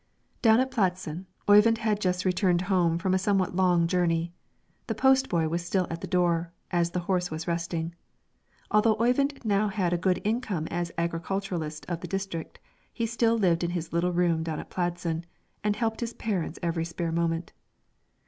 Down at Pladsen, Oyvind had just returned home from a somewhat long journey, the post boy was still at the door, as the horse was resting. Although Oyvind now had a good income as agriculturist of the district, he still lived in his little room down at Pladsen, and helped his parents every spare moment.